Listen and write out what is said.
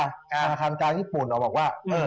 ธนาคารกลางญี่ปุ่นบอกว่า